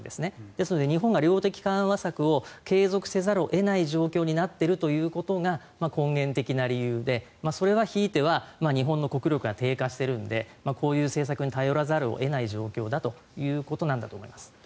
だから、日本が量的緩和策を継続せざるを得ない状況になっているということが根源的な理由でそれはひいては日本の国力が低下しているのでこういう政策に頼らざるを得ない状況なんだと思います。